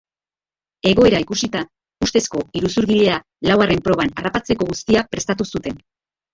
Egoera ikusita, ustezko iruzurgilea laugarren proban harrapatzeko guztia prestatu zuten.